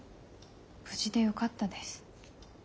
無事でよかったです。